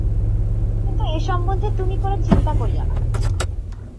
কিন্তু এ সম্বন্ধে তুমি কোনো চিন্তা করিয়ো না।